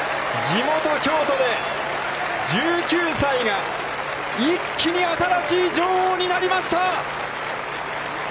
地元京都で、１９歳が、一気に新しい女王になりました！